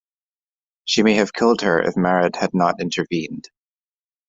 She may have killed her if Marat had not intervened.